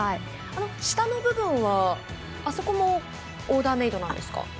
下の部分はあそこもオーダーメードなんですね。